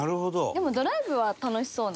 でもドライブは楽しそうな。